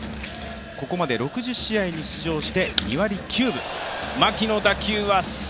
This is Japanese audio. ここまで６０試合に出場して２割９分。